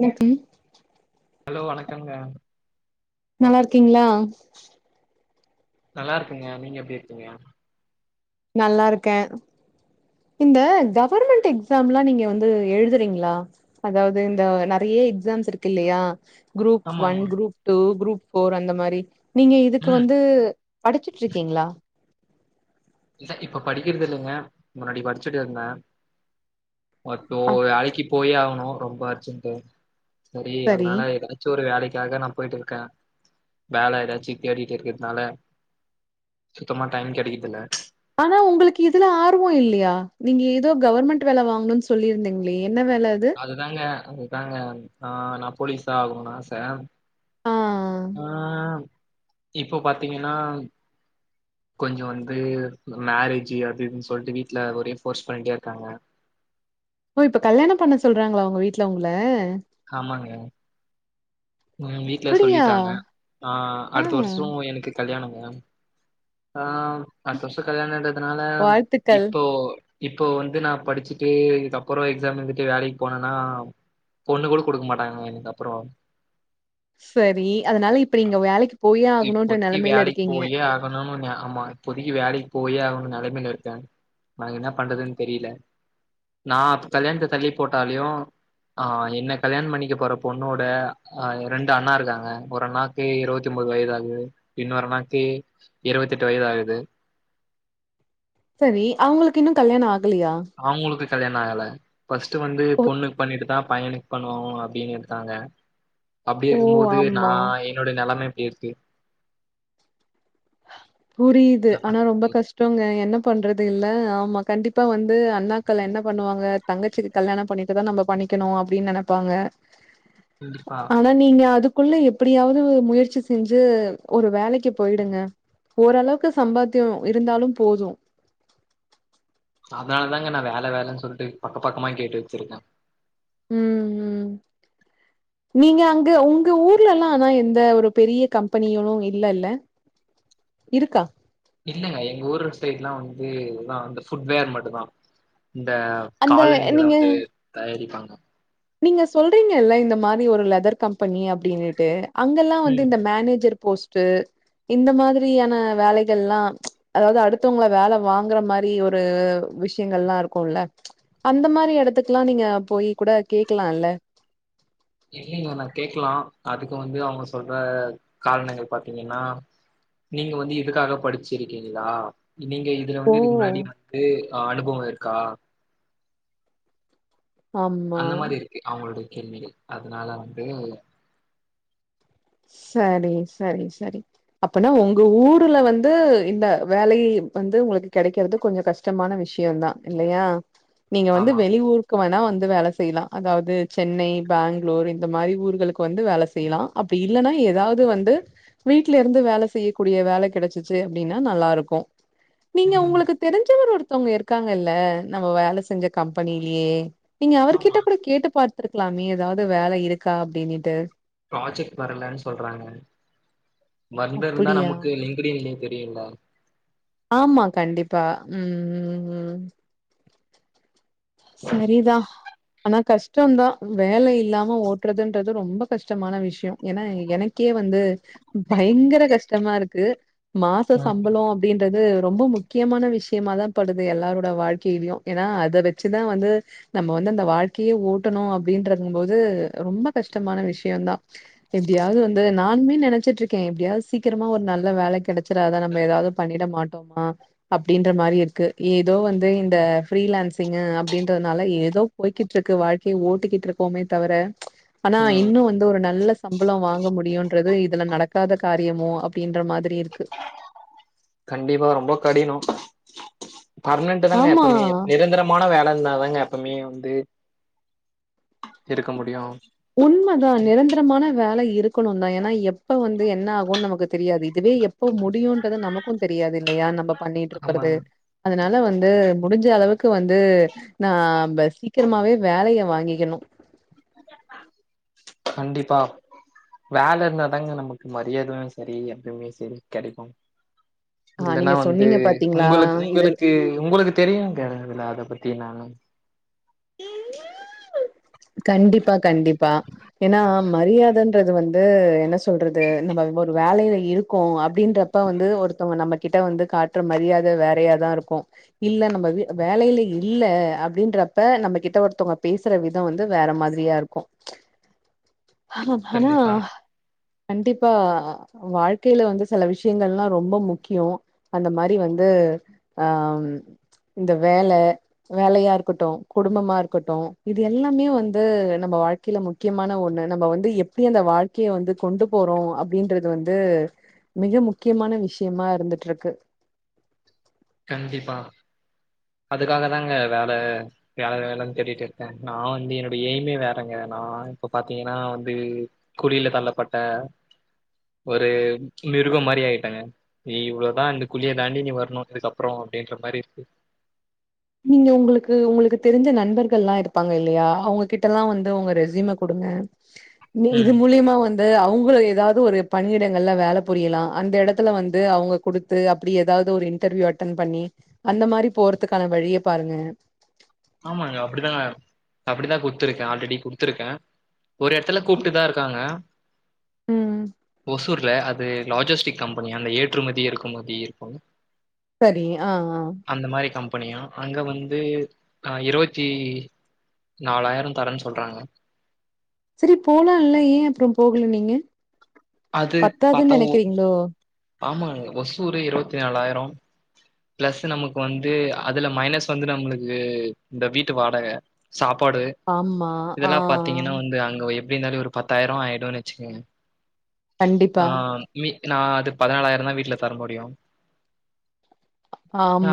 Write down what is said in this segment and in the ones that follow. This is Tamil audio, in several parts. எனக்கி ஹலோ வணக்கங்க நல்லா இருக்கீங்களா நல்லா இருக்குங்க நீங்க எப்டி இருக்கீங்க நல்லா இருக்கே இந்த கவர்மெண்டட் எக்ஸாம் எலா நீங்க வந்து எழுதுறீங்களா அதாவது இந்த நிறைய எக்ஸாம்ஸ் இருக்கு இல்லையா குரூப் ஆமா ஒன் ஆமா குரூப் டூ குரூப் ஃபோர் அந்த மாரி நீங்க இதுக்கு ம் வந்து படிச்சிட் இருக்கீங்களா இல்ல இப்ப படிக்கிறது இல்லைங்க முன்னாடி படிச்சுிட்டே இருந்தே மட்டு அப் வேலைக்கு போயே ஆகணு ரொம்ப அர்ஜென்ட்டு சரி அதனால எழுத ச்சு ஒரு வேலைக்காக நா போயிட்டு இருக்கே வேல ஏதாச்சு தேடிட்டு இருக்கிறதுன்னால சுத்தமா டைம் கெடைக்குறதில்ல ஆனா உங்களுக்கு இதுல ஆர்வோ இல்லையா நீங்க ஏதோ கவர்மெண்ட் வேல வாங்கணும்னு சொல்லியிருந்தீங்களே என்ன வேலை அது அதுதாங்க அதுதாங்க ஆ நா போலீஸா ஆகணுன் ஆசை ஆ ஆ இப்போ பாத்தீங்கன்னா கொஞ்சோ வந்து மேரேஜ் அது இதுன்னு சொல்லிட்டு வீட்ல ஒரே ஃபோர்ஸ் பண்ணிட்டே இருக்காங்க ஓ இப்ப கல்யாணோ பண்ண சொல்றாங்களா உங்க வீட்ல உங்கள ஆமாங்க ம் வீட்ல அப்படியா சொல்லிட்டாங்க ஆ அடுத்த வருஷோ எனக்கு கல்யாணம்ங்க ஆ அடுத்த வருஷோ கல்யாணன்டறதுனால வாழ்த்துக்கள் இப்போ இப்போ வந்து நா படிச்சுட்டு இதுக்கப்றோ எக்ஸாம் எழுதிட்டு வேலைக்கு போனன்னா பொண்ணு கூட கொடுக்க மாட்டாங்க இதுக் அப்றோ சரி அதனால இப்ப நீங்க வேலைக்கு போயே ஆகணுன்ற நிலைமையில இருக்கீங்க பண்ண முடியாது ஆமா இப்போதைக்கு வேலைக்கு போயே ஆகணும்னு நிலைமைல இருக்கே எனக்கு என்ன பண்றதுன்னு தெரில நா கல்யாணத்த தள்ளி போட்டாலயு ஆ என்ன கல்யாணோ பண்ணிக்கப் போற பொண்ணோட ஆ ரெண்டு அண்ணா இருக்காங்க ஒரு அண்ணாக்கு இருபத்தி மூணு முப்பது வயது ஆகுது இன்னொரு அண்ணாக்கு இருபத்தி எட்டு வயது ஆகுது சரி அவங்களுக்கு இன்னு கல்யாணோ ஆகலியா அவங்களுக்கு கல்யாணோ ஆகல ஃபர்ஸ்ட்ட் வந்து ஓ பொண்ணுக்கு பண்ணிட்டு தா பையனுக் பண்ணுவோ அப்டின்னு எடுத்தாங்க அப்டி ஓ இருக்கும் போது நா ஆமா என்னோடைய நிலைம இப்டி இருக்கு புரியுது என்ன ஆனா ரொம்ப பண்றது கஷ் டோங்க என்ன பண்றது இல்ல ஆமா கண்டிப்பா வந்து அண்ணாக்கள் என்ன பண்ணுவாங்க தங்கச்சிக்கு கல்யாணோ பண்ணிட்டுதா நம்ம பண்ணிக்கணு அப்டின்னு நினைப்பாங்க கண்டிப்பா ஆனா நீங்க அதுக் குள்ள எப்டியாவது முயற்சி செஞ்சு ஒரு வேலைக்கு போயிடுங்க ஓரளவுக்கு சம்பாத்தியம் இருந்தாலும் போதும் அதனால தாங்க நான் வேல வேலன்னு சொல்லிட்டு பக்க பக்கமா கேட்டு வெச்சிருக்கேன் ம் ம் நீங்க அங்க உங்க ஊர்லல்லாம் ஆனா எந்த ஒரு பெரிய கம்பெனியும் இல்லெல்ல இருக்கா இல்லங்க எங்க ஊர் சைட்லாம் வந்து இதான் அந்த ஃபுட்வேர் மட்டும் தான் இந்த அந்த காலனிகளா நீங்க வந்து தயாரிப்பாங்க நீங்க சொல்றீங்கல்ல இந்த மாரி ஒரு லெதர் கம்பெனி அ அப்டின்னுட்டு அங்கெல்லாம் வந்து ம் இந்த மேனேஜர் போஸ்ட் இந்த மாதிரியான வேலைகள் லா அதாவுது அடுத்தவுங்ள வேல வாங்குற மாரி ஒரு விஷ்யங்கள்லா இருக்கொல்ல அந்த மாரி எடத்துக்லா நீங்க போய் கூட கேக்லால்ல இல்லீங்க நா கேக்லா அதுக்கு வந்து அவுங்க சொல்ற காரணங்கள் பாத்தீங்கன்னா நீங்க வந்து இதுக்காக படிச்சிருக்கீங்ளா நீங்க இங்க இதுல ஓ! வந்துருக்க முன்னாடி வந்து அனுபவோருக்கா அந்த ஆமா. மாரி இர்க்கு அவுங்ளுடைய கேள்விகள் அதனால வந்து சரி சரி சரி அப்பன்னா உங்க ஊரூல வந்து இந்த வேலை வந்து உங்ளுக்கு கெடைக்கறது கொஞ்சோ கஷ் ஷ்டமான விஷ்யோந்தா இல்லையா நீங்க வந்து ஆமா வெளீயூரு க்கு வேணா வந்து வேல செய்லா அதாவுது சென்னை பெங்ளூர் இந்த மாரி ஊர்களுக்கு வந்து வேல செய்யலா அப் இப்டி இல்லனா ஏதாவுது வந்து வீட்லருந்து வேல செய்யக்கூடிய வேலக் கெடச்சிச்சு அப்டினா நல்லாருக்கு நீங்க ம் உங்குளுக்கு தெரிஞ்சவர் ஒருத்தவுங்க இருக் இர்க்காங்கல்ல நம்ம வேல செஞ்ச கம்பனிலியே நீங்க ஆமா அவர்கிட்ட கூட கேட்டு பார் த்துருக்லாமே ஏதாவுது வேல இருக்கா அப்டினிட்டு ப்ராஜெக்ட் வரலன் சொல்றாங்க வந்துருந்தா அப்படியா? நமுக்கு லிங் குடியே லிங்க் தெரியோவா ஆமா கண்டிப்பா உம் உம் உம் செரிதா ஆனா கஷ்டோந்தா வேல இல்லாம ஓட்றதுன்றது ரொம்ப கஷ்டமான விஷ்யோ ஏனா எனக் கே வந்து பயங்கர கஷ்டமாருக்கு மாசோ ம் சம்பளோ அப்டின்றது ரொம்போ முக்கியமான விஷ்யமாதா படுது எல்லாரோட வாழ்க்கையிலியு ஏனா அத வெ நொச்சின்னா வந்து நம்ம வந்து அந்த வாழ்க்கையே ஓட்டனோ அப்டின்றதுங்கு போது ரொம்ம கஷ்டமான விஷ்யோந்தா எப்டியாவுது வந்து நானுமே நெனச்சிட்ருக்கே எப்டியாவுது சீக்கிரமா ஒரு நல்ல வேலக் கெடச்சிராதா நம்ம ஏதாவாது பண்ணிட மாட் டோமா அப்டின்ற மாரி இருக்கு ஏதோ வந்து இந்த ப்ஃரீலான்ஸ் த்தீங்க அப்டின்றதுனால ஏதோ போயிக்கிட்ருக்கு வாழ்க்கை ஓட்டிக்கிட்ருக்கோமே தவுர ஆனா ம். இன்னு வந்து ஒரு நல்ல சம்பளோ வாங்க முடியுன்றது இதுல நடக்காத காரியமோ அப் அப்டின்ற மாதிரி இருக்கு கண்டிப்பா ரொம்ப கடினோ பர்ம்னென்ட்டு தாங்க ஆமா எப்பமே நிரந்தரம் மான வேல இர்ந்தாதாங்க எப்போமே வந்து இருக்க முடியு உண்மதா நிரந்தரமான வேல இருக்கணுந்தா ஏனா எப்ப வந்து என்னாகுன் நமக்கு தெரியாது இதுவே எப்போ முடியுன்றது நமக்கும் தெரியாது இல்லயா நம்ப பண்ணிட்டு இருக்கிறது ஆமாங்க அதனால வந்து முடிஞ்ச அளவுக்கு வந்து நாம்ப சீக்கிரமாவே வேலைய வாங்கிக்கணு கண்டிப்பா வேல இருந்தாதாங்க நமுக்கு மரியாதையு செரி எப்பவுமே செரி கடைக்கு ஆ இல்லனா நீங்க வந்து சொன்னீங்க பாத்தீங்களா உங்குளுக்கு இது உங்குளுக்கு உங்குளுக்கு தெரியுங்க இதல அத பத்தி என்னானு கண்டிப்பா கண்டிப்பா ஏன்னா மரியாதன்றது வந்து என்ன சொல்றது நம்ம ஒரு வேலையில இருக்கோ அப் அப்டின்றப்ப வந்து ஒருத்தவங்க நம்ம கிட்ட வந்து காட்ற மரியாதை வேறையாதா இருக்கும் இல்ல நம்ம வேலையில இல்ல அப்டின்ற இப்ப நம்ம கிட்ட ஒருத்தவங்க பேசுற விதம் வந்து வேற மாதிரியா இருக்கும் ஆ ஆனா கண்டிப்பா கண்டிப்பா வாழ்க்கையில வந்து சில விஷயங்கள்லா ரொம்ப முக்கியோ அந்த மாரி வந்து ஆ இந்த வேல வேலையா இருக்கட்டும் குடும்பமா இருக்கட்டும் இது எல்லாமே வந்து நம்ப வாழ்க்கையில முக்கியமான ஒண்ணு நம்ம வந்து எப்படி அந்த வாழ் கே வந்து கொண்டு போறோ அப்டின்றது வந்து மிக முக்கியமான விஷயமா இருந்துட்டு இருக்கு கண்டிப்பா அதுக்காக தாங்க வேல வேல வேலன்னு தேட்டிட்டு இருக்கேன் நா வந்து என்னோடைய எய்மே வேறங்க நா இப்ப பாத்தீங்கனா வந்து குழியில தள்ளப்பட்ட ஒரு மிருகோ மாரி ஆயிட்டாங்க இவ்ளோதான் இந்த குழிய தாண்டி நீ வரணும் இதுக்கப்புறம் அப்புறம் அப்டின்ற மாரி இருக் நீங்க உங்குளுக்கு உங்குளுக்கு தெரிஞ்ச நண்பர்கல்லா இருப்பாங்க இல்லயா அவங்ககிட்டல்லா வந்து அவங்க ரெசியூம குடுங்க இது ம் மூலியமா வந்து து அவங்க ஏதாது ஒரு பணியிடங்கள்ல வேல புரியலாம் அந்த எடத்துல வந்து அவங்க குடுத் து அப்படி ஏதாது ஒரு இன்டர்வியூ அட்டன் பண்ணி அந்த மாரி போறதுக்கான வழிய பாருங்க ஆமாங்க அப்டிதா அப்டிதா குத்துருக்கேன் ஆல்ரெடி குடுத்துருக்கேன் ஒரு எடத்துல கூப்பிட்டுதா இருக்காங்க ம் ஓசூ ஊர்ல அது லாஜிஸ்டிக் கம்பெனியா அந்த ஏற்றுமதி இறக்குமதி இருக்கும் சரி ஆன் ஆன் அந்த மாரி கம்பெனியா அங்க வந்து அ இருவத்தி நாலாயிரம் தரேன்னு சொல்றாங்க சரி போலான்ல ஏன் அப்புறம் போகுல நீங்க அது பத்தாதுன் பாத்தா நெனைக்கிறீங்களோ ஆமாங்க ஒசூறே இருவத்தி நாலாயிரம் பிளஸ் நமக்கு வந்து அதுல மைனஸ் வந்து நம்மளுக்கு இந்த வீட்டு வாடக சாப்பாடு ஆமா ஆ இதெல்லா பாத்தீங்கன்னா வந்து அங்க எப்டி இருந்தாலு ஒரு பத்தாயிரோ ஆயிடுன் வச்சுக்கங்க ஆ கண்டிப்பா மி நா அது பதினாலாயிர தா வீட்ல தர முடியு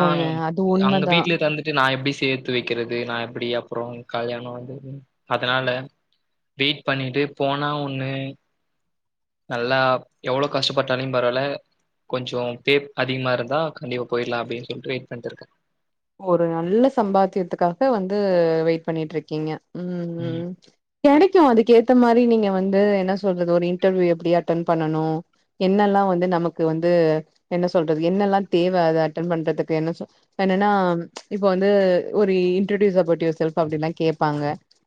ஆ அது அங்க உண்மதான் வீட்லயே தந்து வந்து நா எப்டி சேத்து வைக்கிறது நா எப்டி அப்புறம் கல்யாணம் வந்த அதனால வெயிட் பண்ணிட்டு போனா ஒன்னு நல்லா எவ்ளோ கஷ்டப்பட்டாலும் பரவால்ல கொஞ்சம் பேப் அதிகமா இருந்தா கண்டிப்ப போயிடலாம் அப்படின்னு சொல்லிட்டு வெயிட் பண்ணிட்ருக்கேன் ஒரு நல்ல சம்பாத்தியத்துக்காக வந்து வெயிட் பண்ணிட்டு இருக்கீங்க ம் ம் கெடைக்கும் அதுக்கேத்த மாரி நீங்க வந்து என்ன சொல்றது ஒரு இன்டர்வியூ எப்படி அட்டன் பண்ணனும் என்னல்லா வந்து நமக்கு வந்து என்ன சொல்றது என்னெல்லா தேவ அது அட்டென் பண்றதுக்கு என்ன சொ நா இப்ப வந்து ஒரு இன்டடூயூஸ் அப்போர்ட் யுவர் செல்ப் அப்டின்ல்லா கேப்பாங்க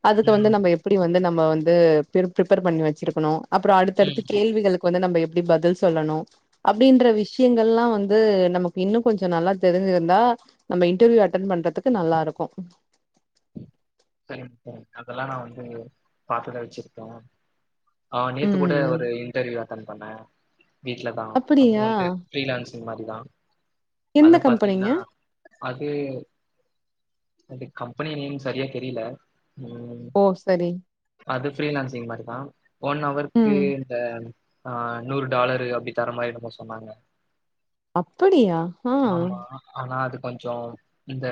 அதுக்கு வந்து ம் நம்ம எப்படி வந்து நம்ம வந்து பிரிப்பேர் பண்ணி வச்சிருக்கணும் அப்புறம் ம் அடுத்தடுத்து கேள்விகளுக் இப்ப வந்து நம்ப எப்படி பதில் சொல்லணும் அப்டின்ற விஷ்யங்கல்லா வந்து நமக்கு இன்னும் கொஞ்சம் நல்லா தெரிஞ்சிருந்தா நம்ம இன்டர்வியூ அட்டன் பண்றதுக்கு நல்லா இருக்கு செரிங் [unintelligible] அதெல்லா நா வந்து பார்த்துதா வெச்சிருக்கோ ஆ நேத்து கூட ம் ஒரு இன்டர்வியூ அட்டன் பண்ணே வீட்லதா அப்றொ அப்படியா வந்து ஃப்ரீலான்சிங் மாரி தா எந்த அது பாத்திங்ன்னா கம்பெனிங்க அது அது கம்பெனி நேம் சரியா தெரியல ம் ஓ சரி அது ஃப்ரீலான்சிங் மாரி தான் ஒன் அவர்க்கு ம் இந்த ஆ நூறு டாலரு அப்டி தர மாரி என்னமோ சொன்னாங்க அப்புடியா ஆ ஆமா ஆனா அது கொஞ்சொ இந்த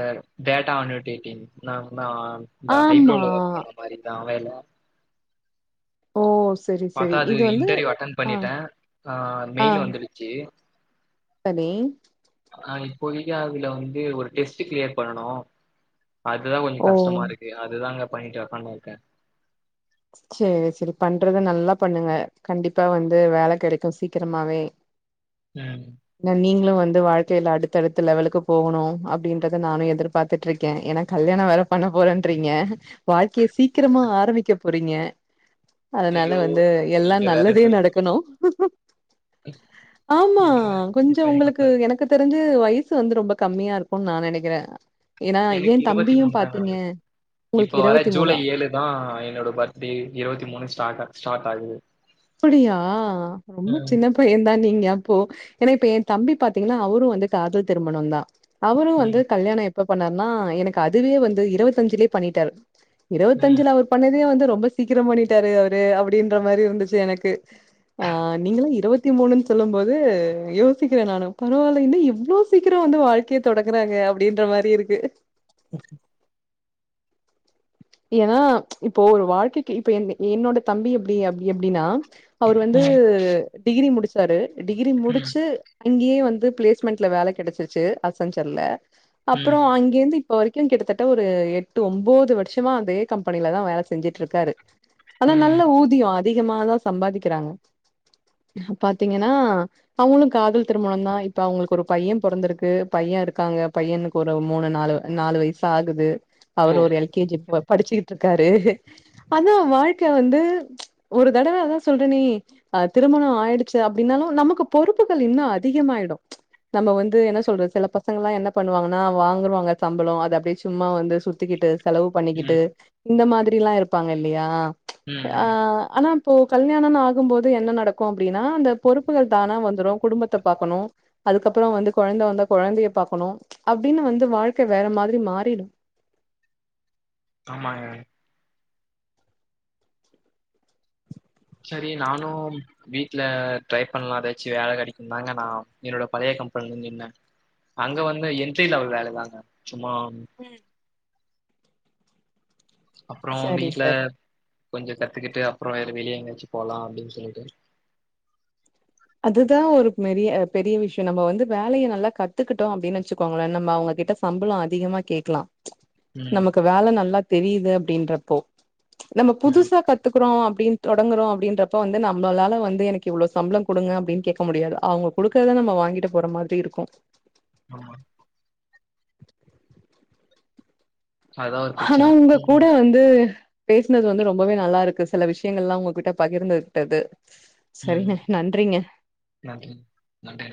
டேட்டா [unintelligible] இந்த ஆமா ஹைட்ரோல ஒர்க் பண்ண மாரி இந்த [unintelligible] ஓ சரி பாத்தா சரி அது இது வந்து இன்ட்டர்வியூ அட்டன் ஆ பண்ணிட்ட ஆ ஆ மெயில் வந்துடுச்சி சரி ஆ இப்போதிக்கி அதுல வந்து ஒரு டெஸ்ட்டு க்ரியேட் பண்ணனு அதுதான் கொஞ்ச ஓ கஷ்டமா இருக்கு அதுதான்தாங்க பண்ணிட்டு ஒக்காந்து இருக்கேன் செரி செரி பண்றது நல்லா பண்ணுங்க கண்டிப்பா வந்து வேல கடைக்கும் சீக்கிரமாவே ம் நீங்களும் வந்து வாழ்க்கையில அடுத்ததடுத்த லெவலுக்கு போகணும் அப்டின்றத நானும் எதிர்ப பாத்துட்டு இருக்கேன் ஏனா கல்யாணம் வேர பண்ண போறேன்றீங்க வாழ்க்கையை சீக்கிரமா ஆரம்பிக்க பொரிங்க அதனால ஐயோ வந்து எல்லா நீங்க வேற நல்லதே சொல் நடக்கணும் ஆமா நீங்க கொஞ்சோ உங்களுக்கு பயப்படாத எனக்கு தெரிஞ்சி வயசு வந்து ரொம்ப கம்மியா இருக்கும்னு நான் நெனைக்கிறேன் ஏனா எனக்கு ஏன் இருவத்தி தம்பியும் மூணு தாங்க பாத்தீங்க உங்களுக்கு இருபத்தி மூணு ஆ தான் என்னோட பர்த்டே இருவத்தி மூணு ஸ்டார்ட் ஸ்டார்ட் ஆகுது அப்டியா ரொம்ப ம் சின்ன பயந்தான் நீங்க அப்போ ஏனா இப்ப என் தம்பி பாத்தீங்கன்னா அவரும் வந்து காதல் திருமணம் தா அவரும் வந்து ம் கல்யாணம் எப்ப பண்ணாருனா எனக்கு அதுவே வந்து இருவத்தி அஞ்சுலயே பண்ணிட்டாரு இருவத்தி ம் அஞ்சுல அவர் பண்ணதே வந்து ரொம்ப சீக்கிரம் பண்ணிட்டாரு அவரு அப்டின்ற மாரி இருந்துச்சி எனக்கு ஆ நீங்களாம் இருவத்தி மூணுன்னு சொல்லும் போது யோசிக்கிறேன் நானும் பரவாயில்ல இன்னா இவ்ளோ சீக்கிரம் வந்து வாழ்க்கையை தொடங்குறாங்க அப்டின்ற மாரி இருக்கு ஏனா இப்போ ஒரு வாழ்க்கைக்கு இப்ப என் என்னோட தம்பி எப்டி அப்டி அப்டின்னா அவரு வந்து டிகிரி முடிச்சாரு டிகிரி ம் முடிச்சு அங்கயே வந்து பிளேஸ்மென்ண்ட்ல வேல கிடைச்சிருச்ச அசஞ்சர்ல ம் அப்றோ அங்க இங்க இருந்து இப்ப வரைக்கும் கிட்டத்தட்ட ஒரு எட்டு ஒன்பது வருஷமா அதே கம்பெனில தான் வேல செஞ்சுட்டு இருக்காரு ஆனா ம் நல்ல ஊதியம் அதிகமாதான் சம்பாதிக்கிறாங்க பாத்தீங்கன்னா அவங்களும் காதல் திருமண தான் இப்ப அவங்களுக்கு ஒரு பையன் பொறந்திருக்கு பையன் இருக்காங்க பையனு ஒரு மூணு நாலு நாலு வயசு ஆகுது ஓ அவரும் ஒரு எல் கே ஜி படிச்சுக்கிட்டு இருக்காரு அதான் வாழ்க்கை வந்து ஒரு தடவ அதான் சொல்றனே அ திருமணம் ஆயிடுச்சு அப்டின்னாலும் நமக்கு பொறுப்புகள் இன்னும் அதிகமாயிடும் நம்ம வந்து என்ன சொல்றது சில பசங்க எல்லாம் என்ன பண்ணுவாங்கன்னா வாங்கறவாங்க சம்பளம் அது அப்டியே சும்மா வந்து சு த்திக்கிட்டு செலவு பண்ணிக்கிட்டு ம் இந்த மாரி எல்லா இருப்பாங்க இல்லயா ம் ம் ஆனா இப்போ கல்யாணம்னு ஆகும் போது என்ன நடக்கும் அப்டின்னா அந்த பொறுப்புகள் தானா வந்துரும் குடும்பத்த பாக்கணு அதுக்கப்பறம் வந்து கொழந்த வந்தா கொழந்தைய பாக்கணும் அப்டின்னு வந்து வாழ்க்கை வேற மாரி மாறிடும் ஆமாங்க செரி நானு வீட்ல ட்ரை பண்ணலா எதாச்சு வேல கிடைக்கு தாங்க நா என்னோட பழைய கம்பெனிலந்து நின்னே அங்க வந்து என்ட்ரி லெவல் வேலதாங்க சும்மா ம் அப்றோ சரி வீட்ல சரி கொஞ்சோ கத்துக்கிட்டு அப்றோ வேற வெளியே எங்கயாச்சி போலா அப்டின்னு சொல்லிட்டு அதுதா ஒரு மெரிய பெரிய விஷயம் நம்ம வந்து வேலையை நல்லா கத்துக்கிட்டோ அப்டின்னு வச்சுக்கோங்களே நம்ம அவங்ககிட்ட சம்பள அதிகமா கேக்கலா ம் நமக்கு வேல நல்லா தெரியுது அப்டின்றப்போ நம்ம ம் புதுசா கத் த்துக்கறோ அப்டின்னு தொடங்குறே அப்டின்றப்ப வந்து நம்மளால வந்து எனக்கு இவ்வளோ சம்பளம் குடுங்க அப்டின்னு கேட்க முடியாது அவங்க குடுக்கறதா நம்ம வாங்கிட்டு போற மாரி இருக்கு ஆமா அதா ஒரு ஆனா பிரச்சன உங்க கூட ம் வந்து பேசினது வந்து ரொம்பவே நல்லா இருக்கு சில விஷயங்கல்லா உங்ககிட்ட பகிர்ந்து கிட்டது ம் செரிங்க நன்றிங்க நன்றி நன்றி